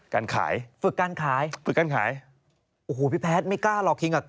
การขายฝึกการขายฝึกการขายโอ้โหพี่แพทย์ไม่กล้าหรอกคิงอ่ะ